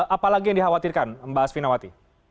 apalagi yang dikhawatirkan mbak asvinawati